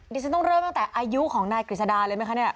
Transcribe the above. เดี๋ยวจะต้องเริ่มตั้งแต่อายุของนายกฤษฎาเลยไหมคะ